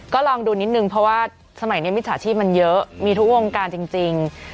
ก็ลองดูนิดนึงเพราะว่าสมัยนี้มิจฉาชีพมันเยอะมีทุกวงการจริง